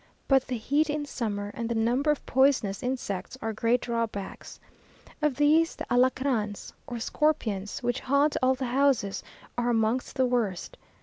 But the heat in summer, and the number of poisonous insects, are great drawbacks. Of these, the alacrans, or scorpions, which haunt all the houses, are amongst the worst.